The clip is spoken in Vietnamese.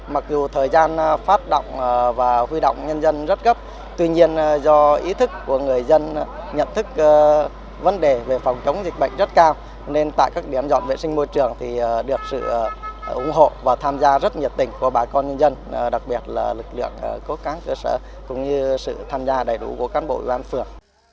mặc dù thời gian phát động và huy động nhân dân rất gấp tuy nhiên do ý thức của người dân nhận thức vấn đề về phòng chống dịch bệnh rất cao nên tại các điểm dọn vệ sinh môi trường thì được sự ủng hộ và tham gia rất nhiệt tình của bà con nhân dân đặc biệt là lực lượng cố cán cơ sở cũng như sự tham gia đầy đủ của các bộ ưu an phường